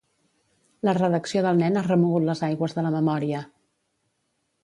La redacció del nen ha remogut les aigües de la memòria.